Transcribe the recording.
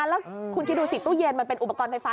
แล้วคุณคิดดูสิตู้เย็นมันเป็นอุปกรณ์ไฟฟ้า